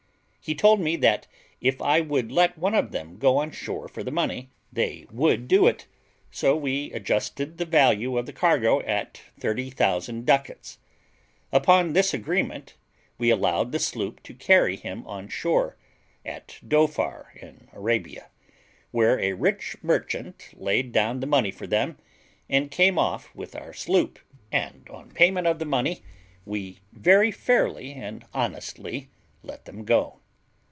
He told me that if I would let one of them go on shore for the money they would do it; so we adjusted the value of the cargo at 30,000 ducats. Upon this agreement, we allowed the sloop to carry him on shore, at Dofar, in Arabia, where a rich merchant laid down the money for them, and came off with our sloop; and on payment of the money we very fairly and honestly let them go.